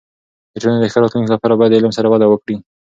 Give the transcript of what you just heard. د ټولنې د ښه راتلونکي لپاره باید د علم سره وده وکړو.